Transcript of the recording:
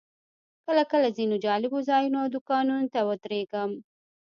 کله کله ځینو جالبو ځایونو او دوکانونو ته ودرېږم.